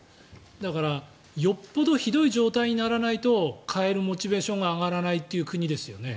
だから、よっぽどひどい状態にならないと変えるモチベーションが上がらないという国ですよね。